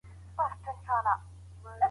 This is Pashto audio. دا يوه افغانۍ ده.